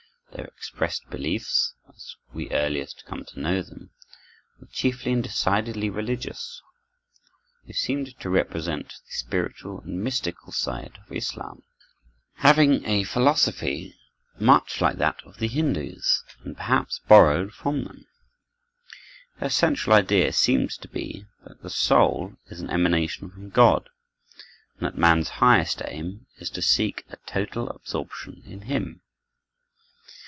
Their expressed beliefs, as we earliest come to know them, were chiefly and decidedly religious. They seemed to represent the spiritual and mystical side of Islam, having a philosophy much like that of the Hindus, and perhaps borrowed from them. Their central idea seemed to be that the soul is an emanation from God, and that man's highest aim is to seek a total absorption in Him.